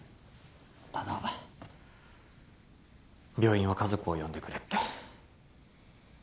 ただ病院は家族を呼んでくれって。